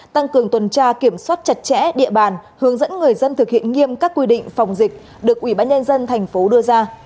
tăng cường tuần tra kiểm soát chặt chẽ địa bàn hướng dẫn người dân thực hiện nghiêm các quy định phòng dịch được ủy ban nhân dân thành phố đưa ra